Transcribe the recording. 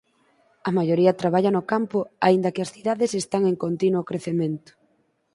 A maioría traballa no campo aínda que as cidades están en continuo crecemento.